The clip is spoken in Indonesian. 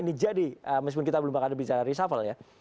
ini jadi meskipun kita belum bahkan bicara reshuffle ya